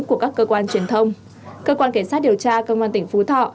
các cơ quan truyền thông cơ quan kiến sát điều tra cơ quan tỉnh phú thọ